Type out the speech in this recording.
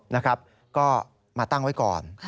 นะครับก็มาตั้งไว้ก่อน